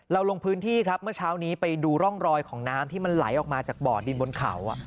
ลงพื้นที่ครับเมื่อเช้านี้ไปดูร่องรอยของน้ำที่มันไหลออกมาจากบ่อดินบนเขา